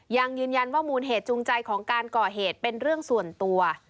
ยังยืนยันว่ามูลเหตุจูงใจของการก่อเหตุเป็นเรื่องส่วนตัว